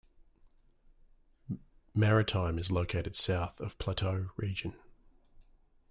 Maritime is located south of Plateaux Region.